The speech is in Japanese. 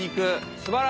すばらしい。